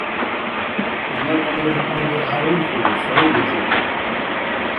Тамадани букӀун дурхӀя урхьу, сай ветихъур.